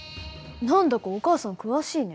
何だかお母さん詳しいね。